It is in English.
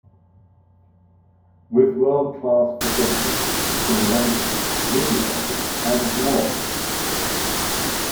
With world-class facilities, simulations, media centres and more.